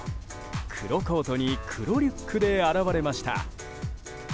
黒コートに黒リュックで現れました。